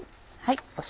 塩。